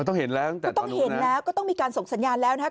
ต้องเห็นแล้วก็ต้องเห็นแล้วก็ต้องมีการส่งสัญญาณแล้วนะครับ